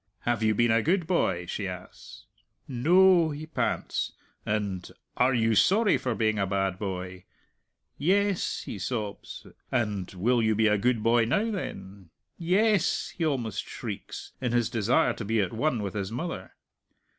"Have you been a good boy?" she asks "No," he pants; and "Are you sorry for being a bad boy?" "Yes," he sobs; and "Will you be a good boy now, then?" "Yes," he almost shrieks, in his desire to be at one with his mother.